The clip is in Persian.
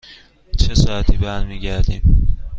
چه ساعتی برمی گردیم؟